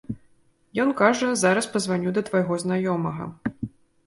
Ён кажа, зараз пазваню да твайго знаёмага.